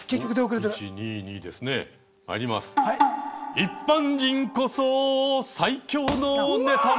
「一般人こそ最強のネタ元」。